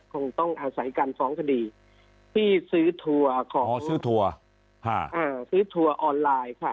คงต้องอาศัยการฟ้องคดีที่ซื้อทัวร์ขอซื้อทัวร์ซื้อทัวร์ออนไลน์ค่ะ